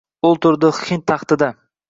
O’ltirdi Hind taxtida.